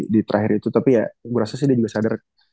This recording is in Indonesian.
di trahir itu tapi ya gue rasanya juga sadar